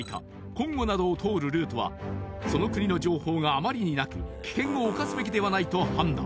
コンゴなどを通るルートはその国の情報があまりになく危険を冒すべきではないと判断